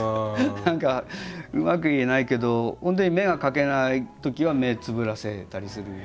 何かうまく言えないけど本当に目が描けないときは目つぶらせたりする。